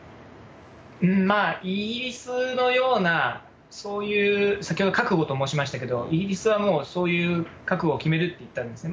イギリスのような、そういう、先ほど覚悟と申しましたけども、イギリスはもうそういう覚悟を決めるといったんですね。